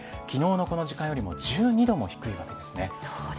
昨日のこの時間よりも１２度も低いわけです。